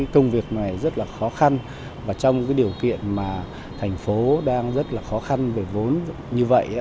công việc này rất là khó khăn và trong điều kiện mà thành phố đang rất là khó khăn về vốn như vậy